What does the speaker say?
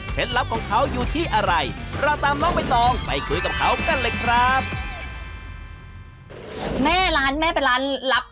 เหตุลัพธ์ของเขาอยู่ที่อะไรเราตามลองไปต่อไปคุยกับเขากันเลยครับ